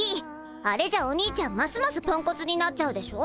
あれじゃお兄ちゃんますますポンコツになっちゃうでしょ。